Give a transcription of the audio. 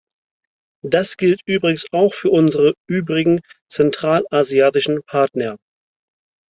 Das gilt übrigens auch für unsere übrigen zentralasiatischen Partner.